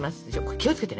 気を付けてね。